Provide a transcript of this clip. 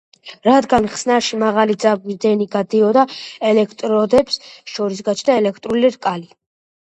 რადგან ხსნარში მაღალი ძაბვის დენი გადიოდა, ელექტროდებს შორის გაჩნდა ელექტრული რკალი.